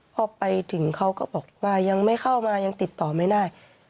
พอไปถึงเขาก็บอกว่ายังไม่เข้ามายังติดต่อไม่ได้